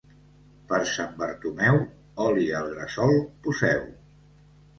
Per Sant Bartomeu, oli al gresol poseu.